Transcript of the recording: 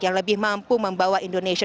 yang lebih mampu membawa indonesia